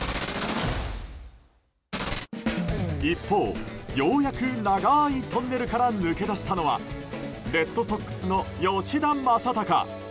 一方、ようやく長いトンネルから抜け出したのはレッドソックスの吉田正尚。